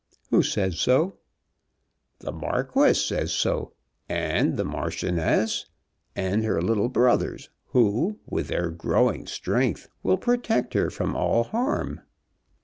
"Who says so?" "The Marquis says so, and the Marchioness, and her little brothers, who with their growing strength will protect her from all harm."